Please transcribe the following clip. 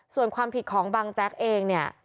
ส่วนความผิดของบังแจ๊กเองเนี่ย